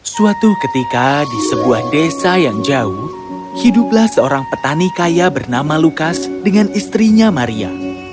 suatu ketika di sebuah desa yang jauh hiduplah seorang petani kaya bernama lukas dengan istrinya maria